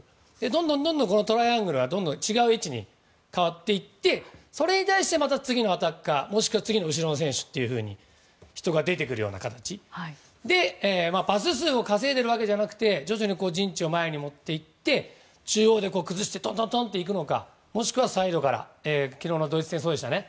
どんどんトライアングルが違う位置に変わっていって、それに対してまた次のアタッカーもしくは次の後ろの選手というふうに人が出てくるような形でパス数を稼いでいるわけじゃなくて陣地を前にもっていって中央で崩してトントントンといくのかもしくはサイドから昨日のドイツ戦そうでしたね。